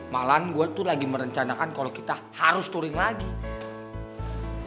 malah gua tuh lagi merencanakan kalo kita harus turin ke mall gitu kan